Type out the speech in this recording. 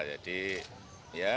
ya jadi ya